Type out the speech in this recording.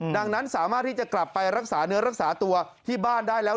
ดังนั้นสามารถที่จะกลับไปรักษาเนื้อรักษาตัวที่บ้านได้แล้ว